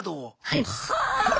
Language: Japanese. はい。